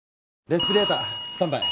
レスピレータースタンバイ。